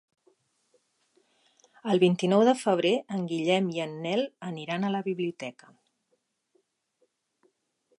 El vint-i-nou de febrer en Guillem i en Nel aniran a la biblioteca.